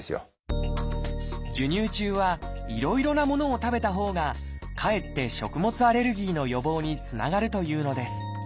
授乳中はいろいろなものを食べたほうがかえって食物アレルギーの予防につながるというのです。